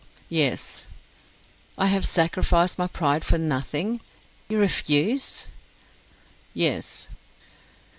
"Yes." "I have sacrificed my pride for nothing! You refuse?" "Yes."